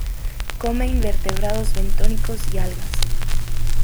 Come invertebrados bentónicos y algas.